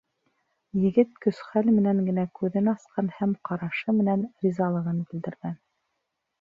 Егет көс-хәл менән генә күҙен асҡан һәм ҡарашы менән ризалығын белдергән.